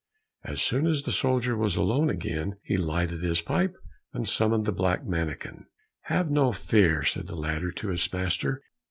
As soon as the soldier was alone again, he lighted his pipe and summoned the black mannikin. "Have no fear," said the latter to his master.